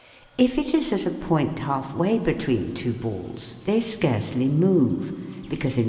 If it is at a point half way between two balls they scarcely move, because in f i.